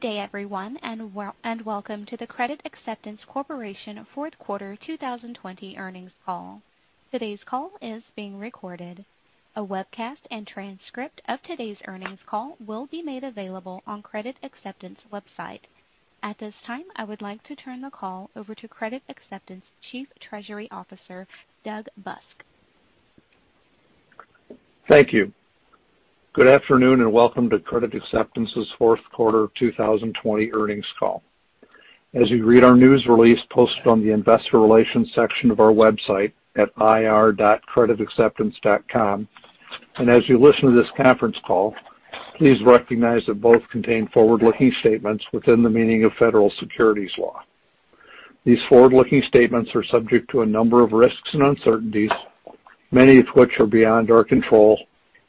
Good day everyone, and welcome to the Credit Acceptance Corporation fourth quarter 2020 earnings call. Today's call is being recorded. A webcast and transcript of today's earnings call will be made available on Credit Acceptance website. At this time, I would like to turn the call over to Credit Acceptance Chief Treasury Officer, Doug Busk. Thank you. Good afternoon, and welcome to Credit Acceptance's fourth quarter 2020 earnings call. As you read our news release posted on the investor relations section of our website at ir.creditacceptance.com, and as you listen to this conference call, please recognize that both contain forward-looking statements within the meaning of federal securities law. These forward-looking statements are subject to a number of risks and uncertainties, many of which are beyond our control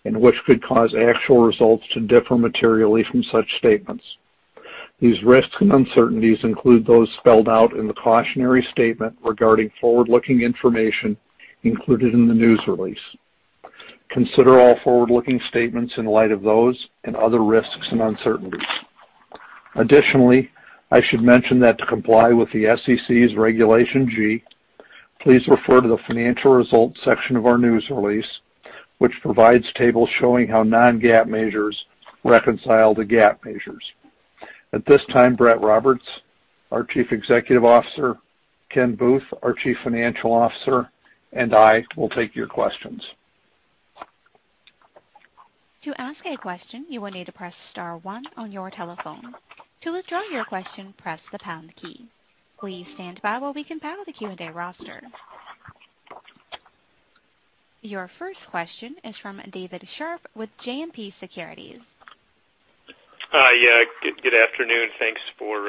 and which could cause actual results to differ materially from such statements. These risks and uncertainties include those spelled out in the cautionary statement regarding forward-looking information included in the news release. Consider all forward-looking statements in light of those and other risks and uncertainties. Additionally, I should mention that to comply with the SEC's Regulation G, please refer to the financial results section of our news release, which provides tables showing how non-GAAP measures reconcile to GAAP measures. At this time, Brett Roberts, our Chief Executive Officer, Ken Booth, our Chief Financial Officer, and I will take your questions. To ask a question, you will need to press star one on our telephone. To withdraw your question, press the pound key. Please standby while we compile the Q&A roster. Your first question is from David Scharf with JMP Securities. Hi. Yeah. Good afternoon. Thanks for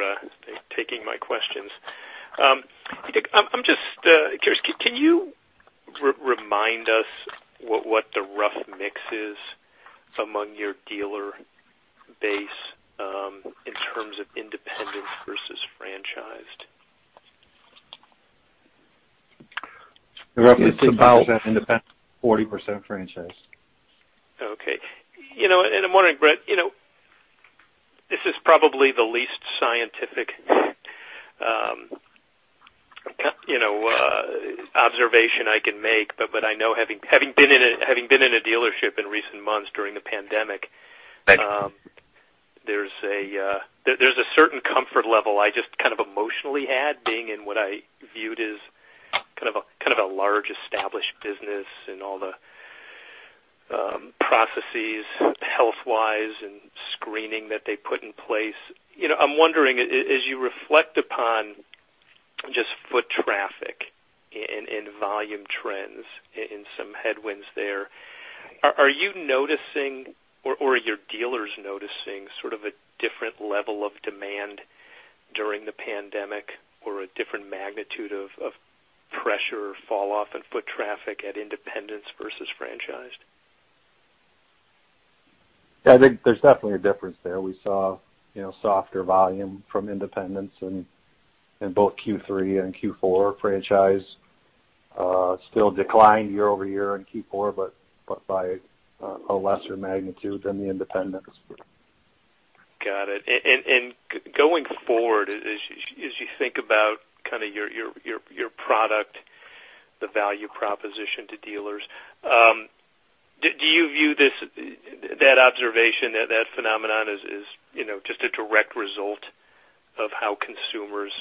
taking my questions. I'm just curious, can you remind us what the rough mix is among your dealer base in terms of independents versus franchised? Roughly 60% independent, 40% franchised. Okay. I'm wondering, Brett, this is probably the least scientific observation I can make. I know having been in a dealership in recent months during the pandemic. Thank you. There's a certain comfort level I just kind of emotionally had being in what I viewed as kind of a large established business and all the processes health-wise and screening that they put in place. I'm wondering, as you reflect upon just foot traffic and volume trends and some headwinds there, are you noticing or are your dealers noticing sort of a different level of demand during the pandemic or a different magnitude of pressure fall-off and foot traffic at independents versus franchised? Yeah. I think there's definitely a difference there. We saw softer volume from independents in both Q3 and Q4. Franchise still declined year-over-year in Q4 but by a lesser magnitude than the independents. Got it. Going forward, as you think about kind of your product, the value proposition to dealers, do you view that observation, that phenomenon as just a direct result of how consumers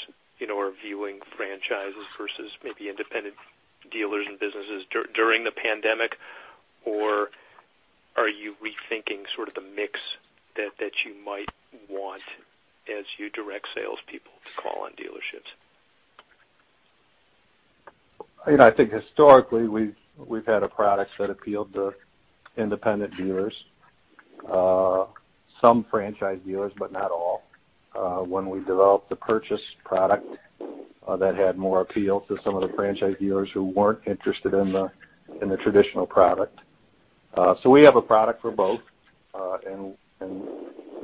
are viewing franchises versus maybe independent dealers and businesses during the pandemic? Or are you rethinking sort of the mix that you might want as you direct salespeople to call on dealerships? I think historically we've had products that appealed to independent dealers. Some franchise dealers, but not all. When we developed the purchased product, that had more appeal to some of the franchise dealers who weren't interested in the traditional product. We have a product for both.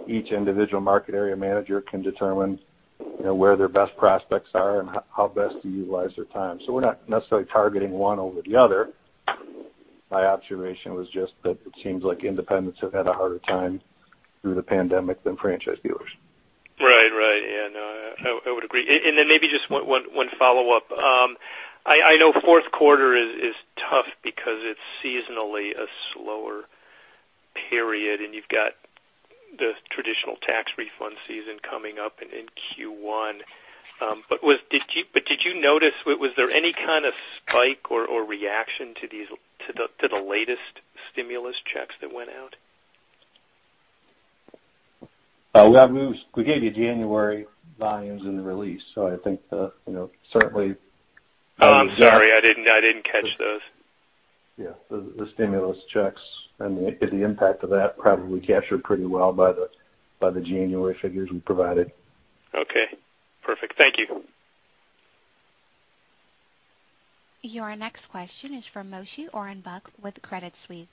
Each individual market area manager can determine where their best prospects are and how best to utilize their time. We're not necessarily targeting one over the other. My observation was just that it seems like independents have had a harder time through the pandemic than franchise dealers. Right. Yeah. No, I would agree. Then maybe just one follow-up. I know fourth quarter is tough because it's seasonally a slower period, and you've got the traditional tax refund season coming up in Q1. Did you notice, was there any kind of spike or reaction to the latest stimulus checks that went out? We gave you January volumes in the release. I think, certainly. Oh, I'm sorry. I didn't catch those. Yeah. The stimulus checks and the impact of that probably captured pretty well by the January figures we provided. Okay. Perfect. Thank you. Your next question is from Moshe Orenbuch with Credit Suisse.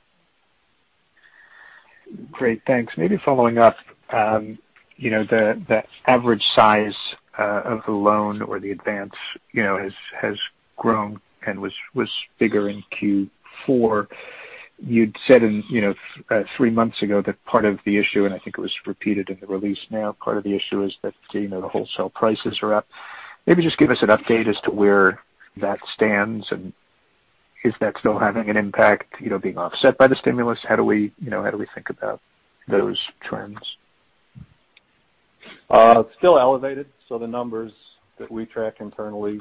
Great. Thanks. Maybe following up, the average size of the loan or the advance has grown and was bigger in Q4. You'd said three months ago that part of the issue, and I think it was repeated in the release now, part of the issue is that the wholesale prices are up. Maybe just give us an update as to where that stands and is that still having an impact, being offset by the stimulus? How do we think about those trends? It's still elevated. The numbers that we track internally,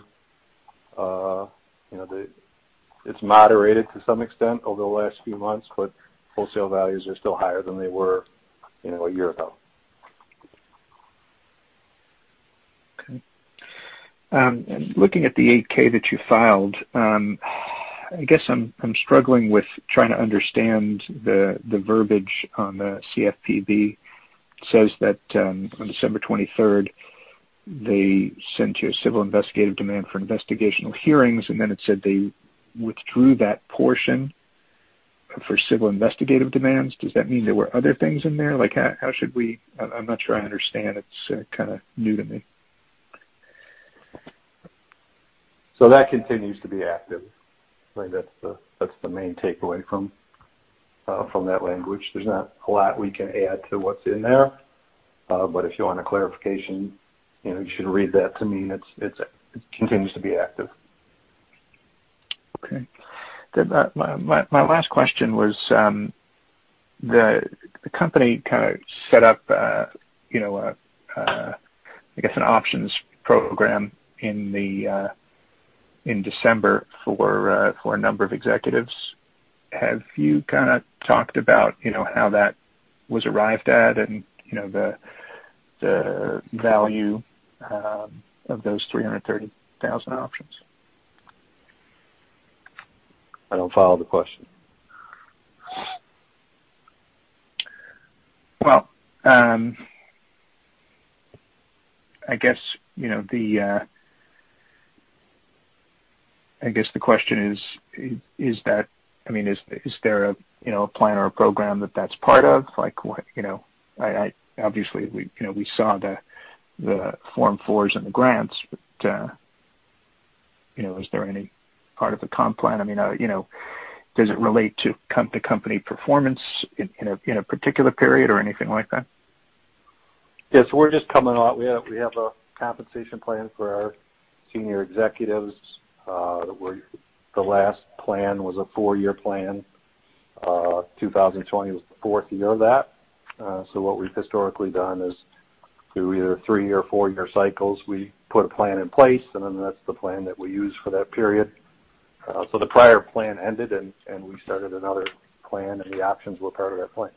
it's moderated to some extent over the last few months, but wholesale values are still higher than they were a year ago. Okay. Looking at the 8-K that you filed, I guess I'm struggling with trying to understand the verbiage on the CFPB. It says that on December 23rd, they sent you a civil investigative demand for investigational hearings, and then it said they withdrew that portion for civil investigative demands. Does that mean there were other things in there? I'm not sure I understand. It's kind of new to me. That continues to be active. That's the main takeaway from that language. There's not a lot we can add to what's in there. If you want a clarification, you should read that to mean it continues to be active. Okay. My last question was, the company kind of set up, I guess, an options program in December for a number of executives. Have you kind of talked about how that was arrived at and the value of those 330,000 options? I don't follow the question. Well, I guess the question is: Is there a plan or a program that's part of? Obviously, we saw the Form 4s and the grants, is there any part of the comp plan? Does it relate to company performance in a particular period or anything like that? Yes. We have a compensation plan for our senior executives. The last plan was a four-year plan. 2020 was the fourth year of that. What we've historically done is do either three- or four-year cycles. We put a plan in place, and then that's the plan that we use for that period. The prior plan ended, and we started another plan, and the options were part of that plan.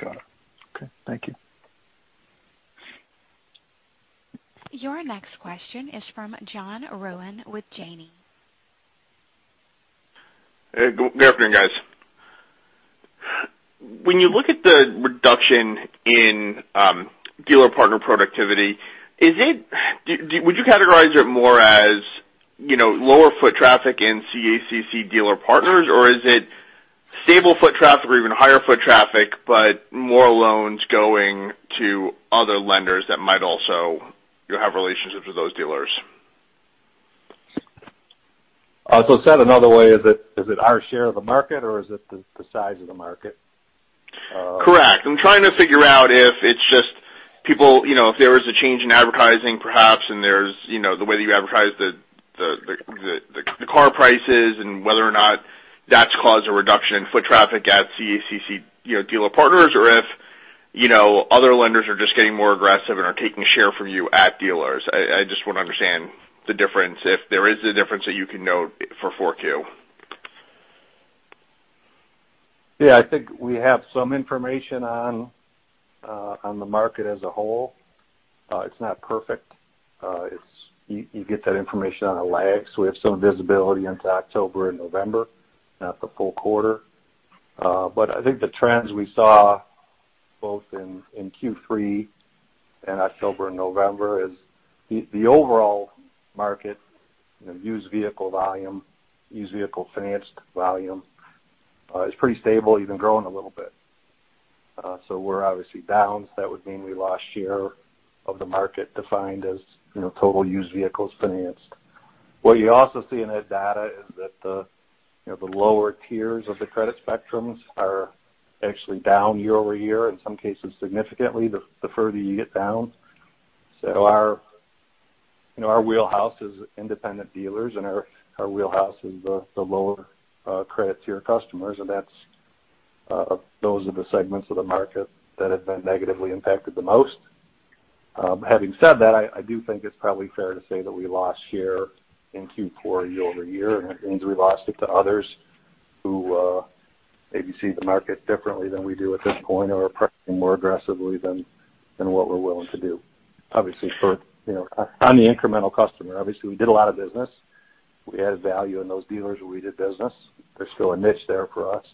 Got it. Okay. Thank you. Your next question is from John Rowan with Janney. Hey, good afternoon, guys. When you look at the reduction in dealer partner productivity, would you categorize it more as lower foot traffic in CACC dealer partners? Is it stable foot traffic or even higher foot traffic, but more loans going to other lenders that might also have relationships with those dealers? Said another way, is it our share of the market or is it the size of the market? Correct. I'm trying to figure out if it's just people, if there was a change in advertising, perhaps, and there's the way that you advertise the car prices and whether or not that's caused a reduction in foot traffic at CACC dealer partners, or if other lenders are just getting more aggressive and are taking share from you at dealers. I just want to understand the difference, if there is a difference that you can note for 4Q. Yeah, I think we have some information on the market as a whole. It's not perfect. You get that information on a lag. We have some visibility into October and November, not the full quarter. I think the trends we saw both in Q3 and October and November is the overall market, used vehicle volume, used vehicle financed volume is pretty stable, even growing a little bit. We're obviously down. That would mean we lost share of the market defined as total used vehicles financed. What you also see in that data is that the lower tiers of the credit spectrums are actually down year-over-year, in some cases significantly, the further you get down. Our wheelhouse is independent dealers, and our wheelhouse is the lower credit tier customers, and those are the segments of the market that have been negatively impacted the most. Having said that, I do think it's probably fair to say that we lost share in Q4 year-over-year, and that means we lost it to others who maybe see the market differently than we do at this point or are pricing more aggressively than what we're willing to do. Obviously, on the incremental customer. Obviously, we did a lot of business. We added value in those dealers where we did business. There's still a niche there for us.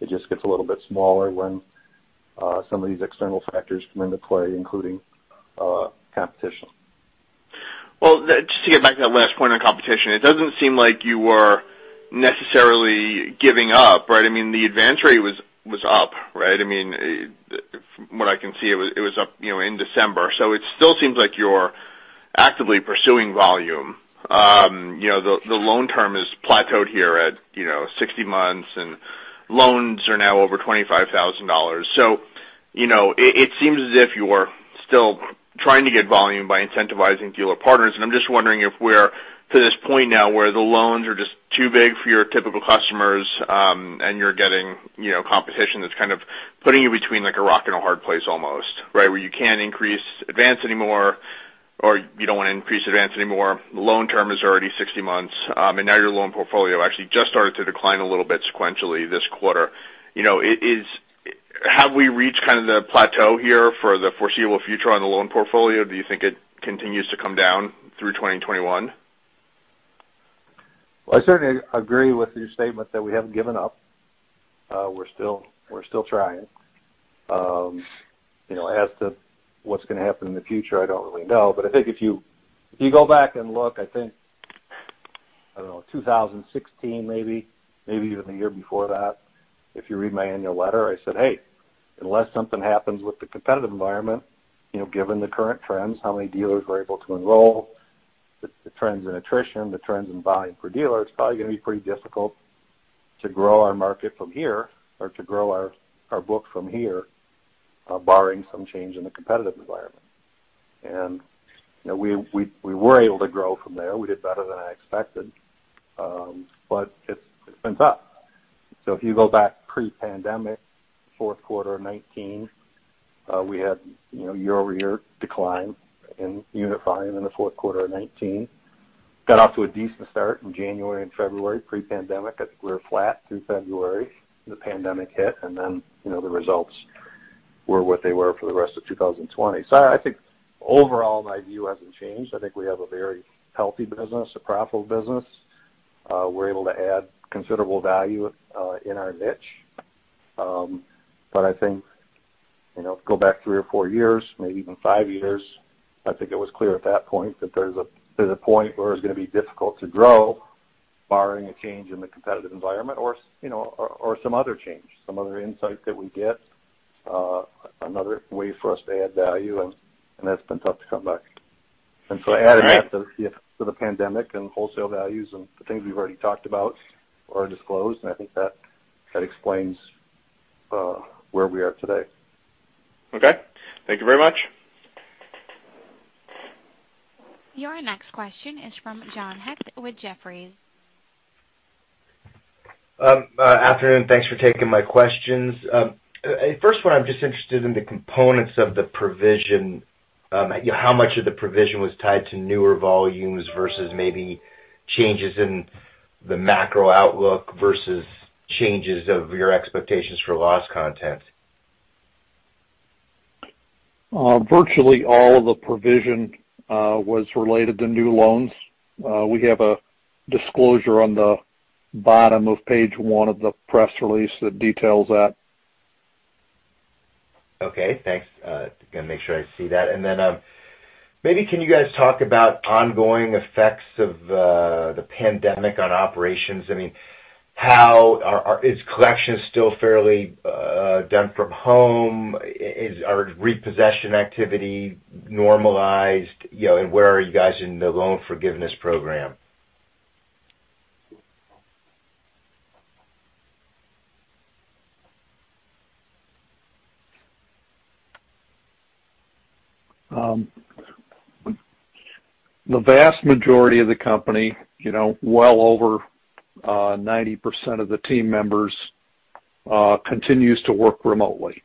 It just gets a little bit smaller when some of these external factors come into play, including competition. Just to get back to that last point on competition, it doesn't seem like you were necessarily giving up, right? I mean, the advance rate was up, right? From what I can see, it was up in December. It still seems like you're actively pursuing volume. The loan term has plateaued here at 60 months, and loans are now over $25,000. It seems as if you are still trying to get volume by incentivizing dealer partners, and I'm just wondering if we're to this point now where the loans are just too big for your typical customers, and you're getting competition that's kind of putting you between a rock and a hard place almost. Where you can't increase advance anymore, or you don't want to increase advance anymore. The loan term is already 60 months. Now your loan portfolio actually just started to decline a little bit sequentially this quarter. Have we reached kind of the plateau here for the foreseeable future on the loan portfolio? Do you think it continues to come down through 2021? Well, I certainly agree with your statement that we haven't given up. We're still trying. As to what's going to happen in the future, I don't really know. I think if you go back and look, I think, I don't know, 2016 maybe even the one year before that, if you read my annual letter, I said, "Hey, unless something happens with the competitive environment, given the current trends, how many dealers we're able to enroll, the trends in attrition, the trends in volume per dealer, it's probably going to be pretty difficult to grow our market from here or to grow our book from here, barring some change in the competitive environment." We were able to grow from there. We did better than I expected. It's been tough. If you go back pre-pandemic, fourth quarter of 2019, we had year-over-year decline in unit volume in the fourth quarter of 2019. Got off to a decent start in January and February pre-pandemic. I think we were flat through February. The pandemic hit and then the results were what they were for the rest of 2020. I think overall, my view hasn't changed. I think we have a very healthy business, a profitable business. We're able to add considerable value in our niche. I think if you go back three or four years, maybe even five years, I think it was clear at that point that there's a point where it's going to be difficult to grow barring a change in the competitive environment or some other change, some other insight that we get, another way for us to add value, and that's been tough to come by. Adding that to the effects of the pandemic and wholesale values and the things we've already talked about or disclosed, and I think that explains where we are today. Okay. Thank you very much. Your next question is from John Hecht with Jefferies. Afternoon, thanks for taking my questions. First one, I'm just interested in the components of the provision. How much of the provision was tied to newer volumes versus maybe changes in the macro outlook versus changes of your expectations for loss content? Virtually all of the provision was related to new loans. We have a disclosure on the bottom of page one of the press release that details that. Okay, thanks. Going to make sure I see that. Maybe can you guys talk about ongoing effects of the pandemic on operations? Is collection still fairly done from home? Are repossession activity normalized? Where are you guys in the loan forgiveness program? The vast majority of the company, well over 90% of the team members, continues to work remotely.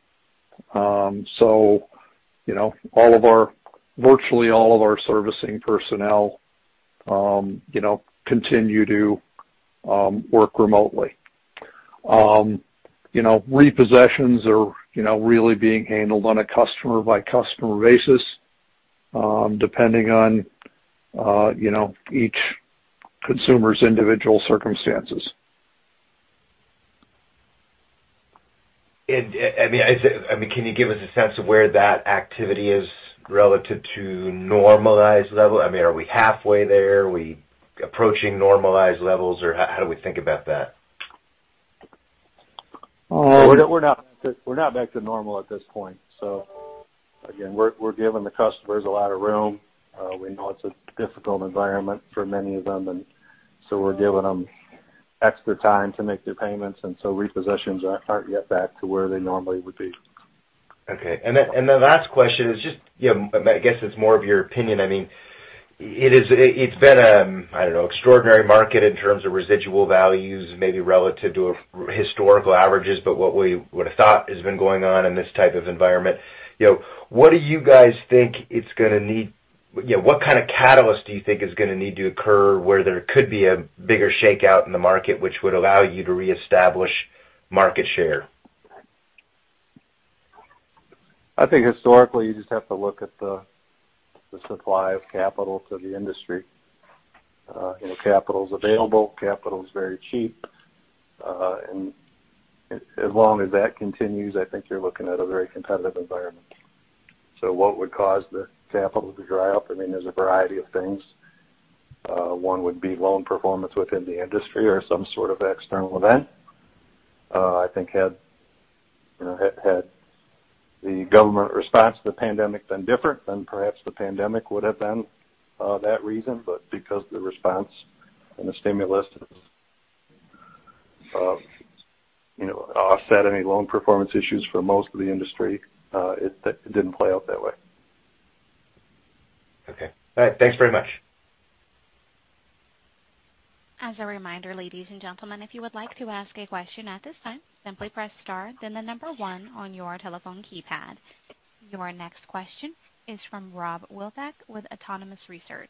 Virtually all of our servicing personnel continue to work remotely. Repossessions are really being handled on a customer-by-customer basis, depending on each consumer's individual circumstances. Can you give us a sense of where that activity is relative to normalized level? Are we halfway there? Are we approaching normalized levels? How do we think about that? We're not back to normal at this point. Again, we're giving the customers a lot of room. We know it's a difficult environment for many of them, and so we're giving them extra time to make their payments. Repossessions aren't yet back to where they normally would be. Okay. The last question is I guess it's more of your opinion. It's been, I don't know, extraordinary market in terms of residual values, maybe relative to historical averages. What we would've thought has been going on in this type of environment. What kind of catalyst do you think is going to need to occur where there could be a bigger shakeout in the market, which would allow you to reestablish market share? I think historically, you just have to look at the supply of capital to the industry. Capital's available. Capital's very cheap. And as long as that continues, I think you're looking at a very competitive environment. What would cause the capital to dry up? There's a variety of things. One would be loan performance within the industry or some sort of external event. I think had the government response to the pandemic been different, then perhaps the pandemic would've been that reason. Because the response and the stimulus offset any loan performance issues for most of the industry, it didn't play out that way. Okay. All right. Thanks very much. As a reminder, ladies and gentlemen, if you would like to ask a question at this time, simply press star, then the number one on your telephone keypad. Your next question is from Rob Wildhack with Autonomous Research.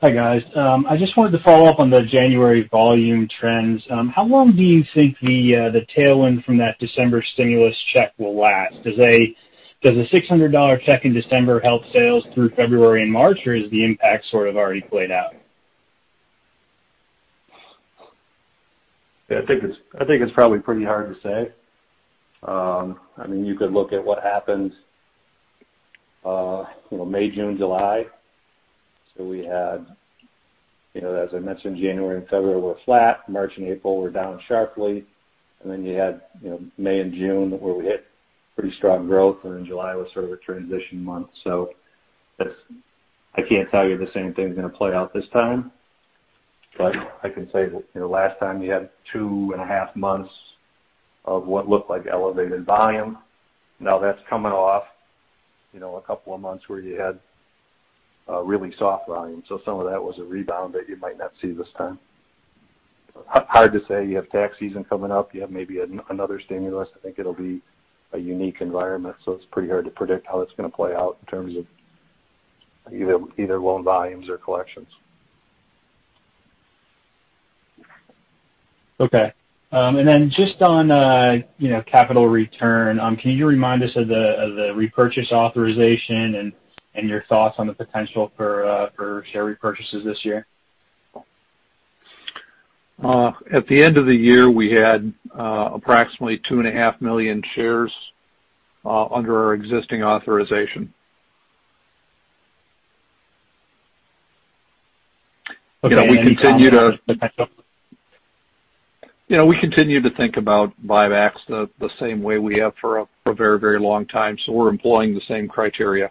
Hi, guys. I just wanted to follow up on the January volume trends. How long do you think the tailwind from that December stimulus check will last? Does a $600 check in December help sales through February and March, or is the impact sort of already played out? Yeah, I think it's probably pretty hard to say. You could look at what happened May, June, July. We had, as I mentioned, January and February were flat, March and April were down sharply, you had May and June where we hit pretty strong growth, July was sort of a transition month. I can't tell you the same thing's going to play out this time, but I can say last time you had 2.5 months of what looked like elevated volume. Now that's coming off a couple of months where you had really soft volume. Some of that was a rebound that you might not see this time. Hard to say. You have tax season coming up. You have maybe another stimulus. I think it'll be a unique environment, so it's pretty hard to predict how it's going to play out in terms of either loan volumes or collections. Okay. Just on capital return, can you remind us of the repurchase authorization and your thoughts on the potential for share repurchases this year? At the end of the year, we had approximately 2.5 million shares under our existing authorization. Okay. Any comments- We continue to think about buybacks the same way we have for a very long time. We're employing the same criteria.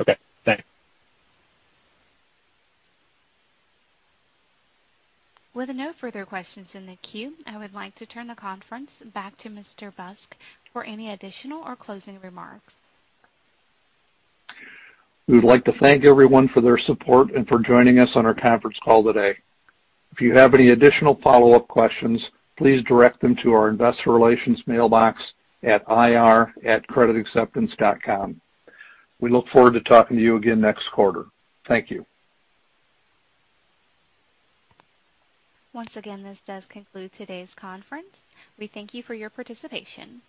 Okay, thanks. With no further questions in the queue, I would like to turn the conference back to Mr. Busk for any additional or closing remarks. We would like to thank everyone for their support and for joining us on our conference call today. If you have any additional follow-up questions, please direct them to our investor relations mailbox at ir@creditacceptance.com. We look forward to talking to you again next quarter. Thank you. Once again, this does conclude today's conference. We thank you for your participation.